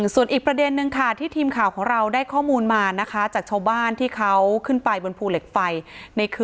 ส่วนอีกประเด็นนึงค่ะที่ทีมข่าวของเราได้ข้อมูลมานะคะจากชาวบ้านที่เขาขึ้นไปบนภูเหล็กไฟ